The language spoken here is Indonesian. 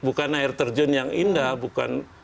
bukan air terjun yang indah bukan